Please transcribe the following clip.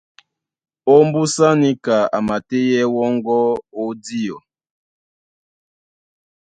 Ómbúsá níka a matéɛ́ wɔ́ŋgɔ́ ó díɔ.